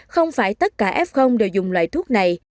không phải tất cả f đều dùng loại thuốc này